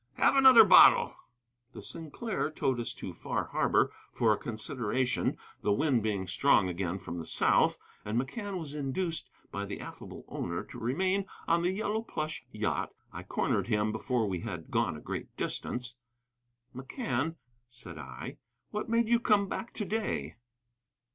"Have another bottle!" The Sinclair towed us to Far Harbor for a consideration, the wind being strong again from the south, and McCann was induced by the affable owner to remain on the yellow plush yacht. I cornered him before we had gone a great distance. "McCann," said I, "what made you come back to day?"